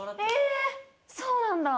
えそうなんだ。